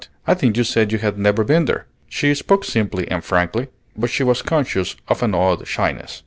I think you said you had never been there." She spoke simply and frankly, but she was conscious of an odd shyness.